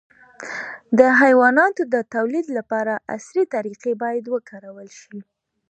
د حیواناتو د تولید لپاره عصري طریقې باید وکارول شي.